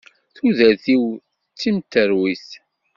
Tudert-iw d timterwit.